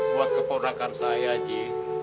buat keponakan saya ji